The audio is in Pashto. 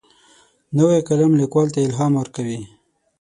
نوی قلم لیکوال ته الهام ورکوي